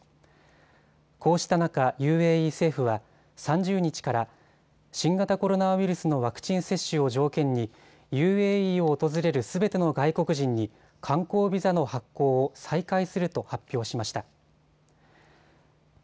こうした中、ＵＡＥ政府は３０日から新型コロナウイルスのワクチン接種を条件にＵＡＥを訪れるすべての外国人に観光ビザの発行を再開すると発表しました。